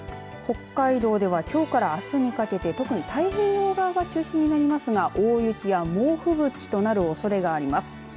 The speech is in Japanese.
北海道ではきょうからあすにかけて太平洋側が中心になりますが大雪や猛吹雪となるおそれがあります。